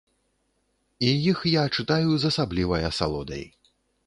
І іх я чытаю з асаблівай асалодай.